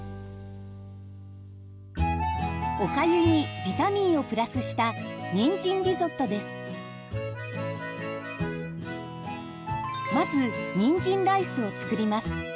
おかゆにビタミンをプラスしたまずにんじんライスを作ります。